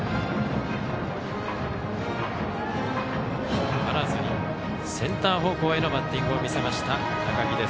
引っ張らずにセンター方向へのバッティングを見せました高木。